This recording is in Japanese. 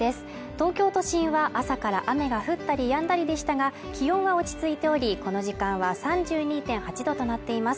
東京都心は朝から雨が降ったりやんだりでしたが気温は落ち着いておりこの時間は３２．８度となっています